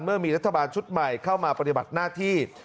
เมื่อมีรัฐบาลชุดใหม่เข้ามาปฏิบัติหน้าที่